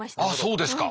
そうですか。